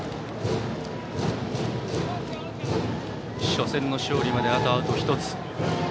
初戦の勝利まであとアウト１つ。